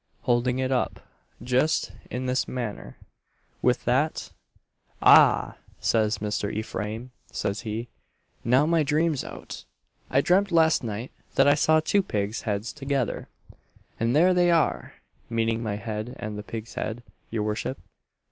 holding it up just in this manner. With that, 'Ah!' says Mr. Ephraim, says he, 'now my dream's out I dreamt last night that I saw two pigs' heads together, and there they are!' meaning my head and the pig's head, your worship.